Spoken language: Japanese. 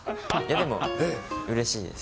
でも、うれしいです。